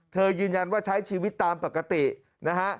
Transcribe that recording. ยืนยันว่าใช้ชีวิตตามปกตินะฮะ